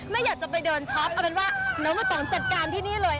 ไม่อยากจะไปเดินช็อปเอาเป็นว่าน้องไม่ต้องจัดการที่นี่เลย